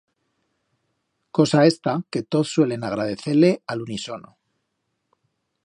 Cosa esta que toz suelen agradecer-le a l'unisono.